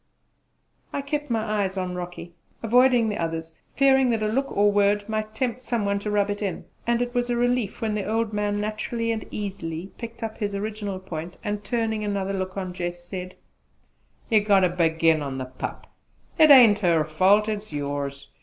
I kept my eyes on Rocky, avoiding the others, fearing that a look or word might tempt some one to rub it in; and it was a relief when the old man naturally and easily picked up his original point and, turning another look on Jess, said: "You got ter begin on the pup. It ain't her fault; it's yours.